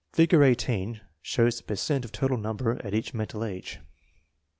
Figure 18 shows the per cent of total number at each mental age.